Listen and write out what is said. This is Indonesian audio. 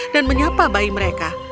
dan menyapa bayi mereka